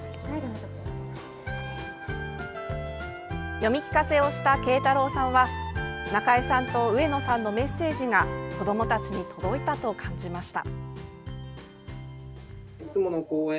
読み聞かせをしたけいたろうさんはなかえさんと上野さんのメッセージが子どもたちに届いたと感じました。